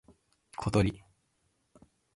ことり